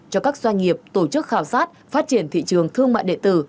cho các doanh nghiệp tổ chức khảo sát phát triển thị trường thương mại đệ tử